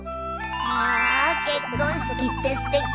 あ結婚式ってすてきよね。